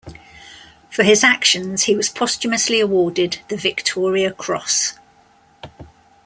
For his actions he was posthumously awarded the Victoria Cross.